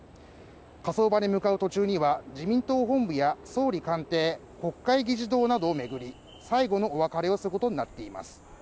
火葬場に向かう途中には自民党本部や総理官邸、国会議事堂などを巡り最後のお別れをすることになっています